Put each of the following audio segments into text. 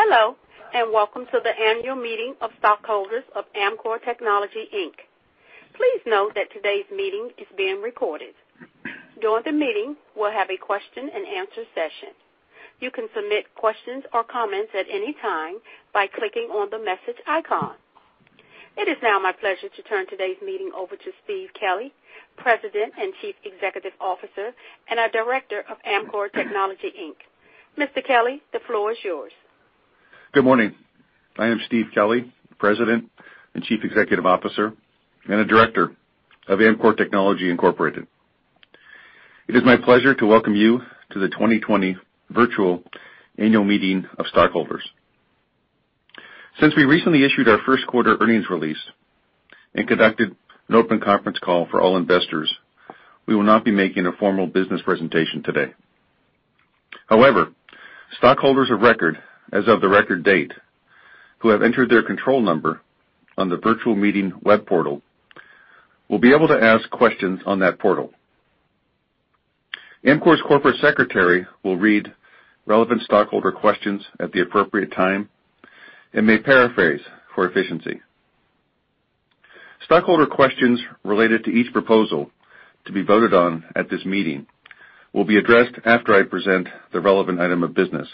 Hello, and welcome to the annual meeting of stockholders of Amkor Technology, Inc. Please note that today's meeting is being recorded. During the meeting, we'll have a question-and-answer session. You can submit questions or comments at any time by clicking on the message icon. It is now my pleasure to turn today's meeting over to Steve Kelley, President and Chief Executive Officer and a Director of Amkor Technology, Inc. Mr. Kelley, the floor is yours. Good morning. I am Steve Kelley, President and Chief Executive Officer and a Director of Amkor Technology Incorporated. It is my pleasure to welcome you to the 2020 Virtual Annual Meeting of Stockholders. Since we recently issued our first-quarter earnings release and conducted an open conference call for all investors, we will not be making a formal business presentation today. However, stockholders of record, as of the record date, who have entered their control number on the virtual meeting web portal will be able to ask questions on that portal. Amkor's Corporate Secretary will read relevant stockholder questions at the appropriate time and may paraphrase for efficiency. Stockholder questions related to each proposal to be voted on at this meeting will be addressed after I present the relevant item of business,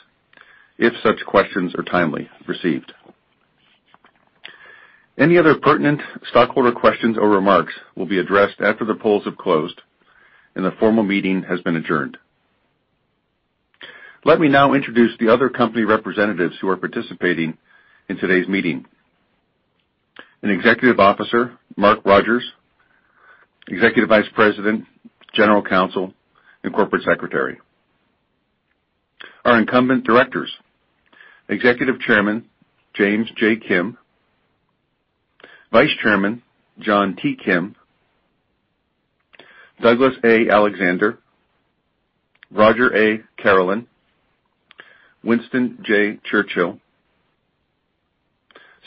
if such questions are timely received. Any other pertinent stockholder questions or remarks will be addressed after the polls have closed and the formal meeting has been adjourned. Let me now introduce the other company representatives who are participating in today's meeting. An Executive Officer, Mark Rogers, Executive Vice President, General Counsel, and Corporate Secretary. Our incumbent directors, Executive Chairman, James J. Kim, Vice Chairman, John T. Kim, Douglas A. Alexander, Roger A. Carolin, Winston J. Churchill,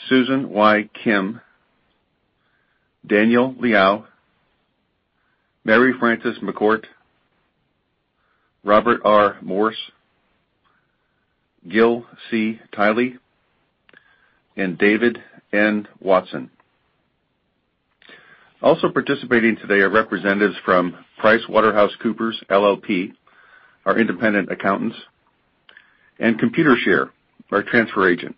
Susan Y. Kim, Daniel Liao, MaryFrances McCourt, Robert R. Morse, Gil C. Tily, and David N. Watson. Also participating today are representatives from PricewaterhouseCoopers LLP, our independent accountants, and Computershare, our transfer agent.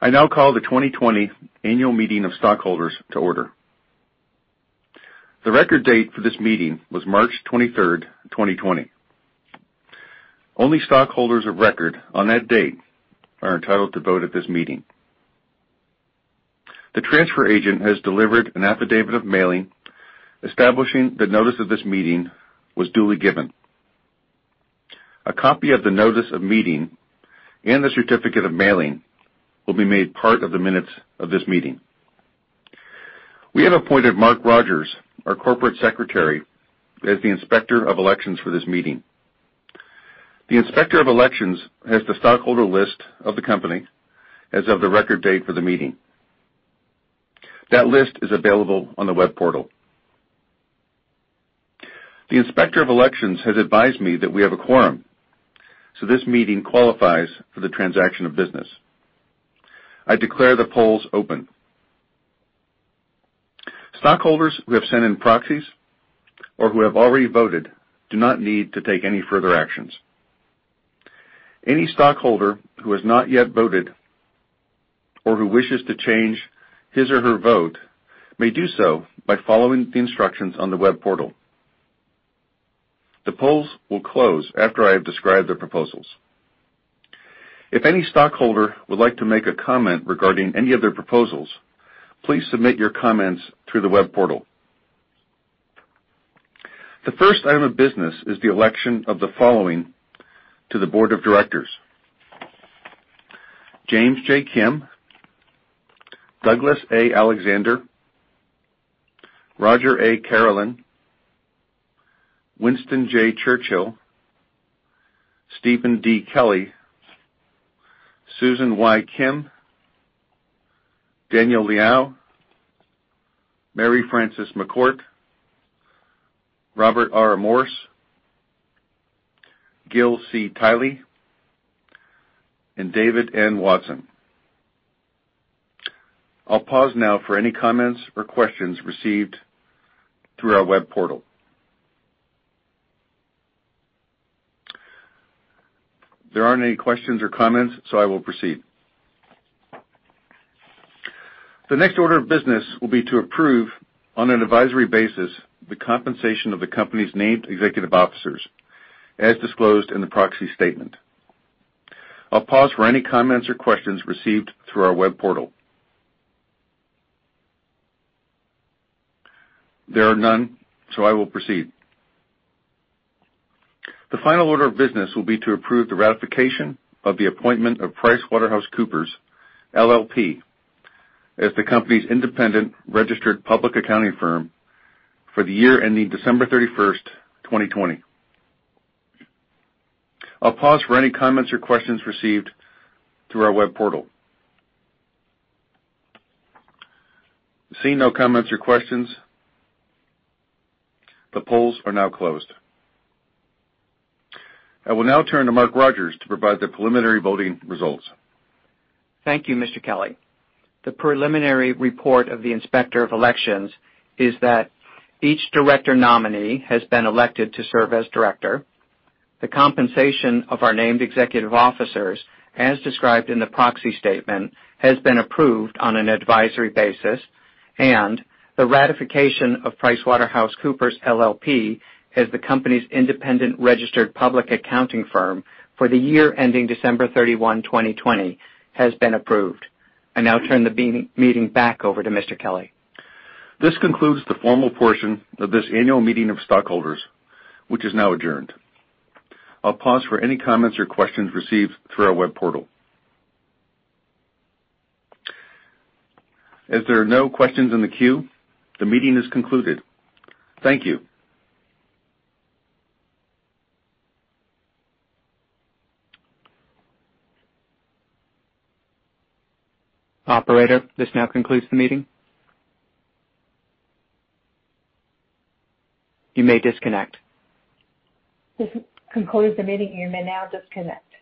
I now call the 2020 Annual Meeting of Stockholders to order. The record date for this meeting was March 23, 2020. Only stockholders of record on that date are entitled to vote at this meeting. The transfer agent has delivered an affidavit of mailing establishing the notice of this meeting was duly given. A copy of the notice of meeting and the certificate of mailing will be made part of the minutes of this meeting. We have appointed Mark Rogers, our Corporate Secretary, as the inspector of elections for this meeting. The inspector of elections has the stockholder list of the company as of the record date for the meeting. That list is available on the web portal. The inspector of elections has advised me that we have a quorum, so this meeting qualifies for the transaction of business. I declare the polls open. Stockholders who have sent in proxies or who have already voted do not need to take any further actions. Any stockholder who has not yet voted or who wishes to change his or her vote may do so by following the instructions on the web portal. The polls will close after I have described the proposals. If any stockholder would like to make a comment regarding any of their proposals, please submit your comments through the web portal. The first item of business is the election of the following to the Board of Directors: James J. Kim, Douglas A. Alexander, Roger A. Carolin, Winston J. Churchill, Stephen D. Kelley, Susan Y. Kim, Daniel Liao, MaryFrances McCourt, Robert R. Morse, Gil C. Tily, and David N. Watson. I'll pause now for any comments or questions received through our web portal. There aren't any questions or comments, so I will proceed. The next order of business will be to approve, on an advisory basis, the compensation of the company's named executive officers, as disclosed in the proxy statement. I'll pause for any comments or questions received through our web portal. There are none, so I will proceed. The final order of business will be to approve the ratification of the appointment of PricewaterhouseCoopers LLP as the company's independent registered public accounting firm for the year ending December 31, 2020. I'll pause for any comments or questions received through our web portal. Seeing no comments or questions, the polls are now closed. I will now turn to Mark Rogers to provide the preliminary voting results. Thank you, Mr. Kelley. The preliminary report of the inspector of elections is that each Director nominee has been elected to serve as Director. The compensation of our named executive officers, as described in the proxy statement, has been approved on an advisory basis. The ratification of PricewaterhouseCoopers LLP as the company's independent registered public accounting firm for the year ending December 31, 2020, has been approved. I now turn the meeting back over to Mr. Kelley. This concludes the formal portion of this annual meeting of stockholders, which is now adjourned. I'll pause for any comments or questions received through our web portal. As there are no questions in the queue, the meeting is concluded. Thank you. Operator, this now concludes the meeting. You may disconnect. This concludes the meeting. You may now disconnect.